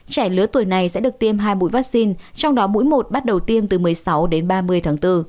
trẻ lứa tuổi này sẽ được tiêm hai mũi vaccine trong đó mũi một bắt đầu tiêm từ một mươi sáu đến ba mươi tháng bốn